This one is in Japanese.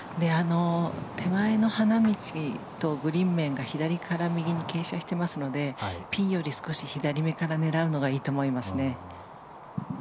手前の花道とグリーン面が左から右に傾斜してますのでピンより少し左めから狙うのがいいと思いますね。